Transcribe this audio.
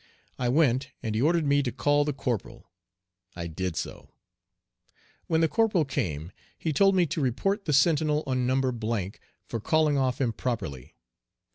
I went, and he ordered me to call the corporal. I did so. When the corporal came he told him to "report the sentinel on No. for calling off improperly."